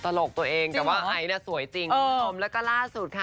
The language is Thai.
ตลกตัวเองก็ว่าไอ้น่ะสวยจริงกรูมสมและก็ล่าสุดค่ะ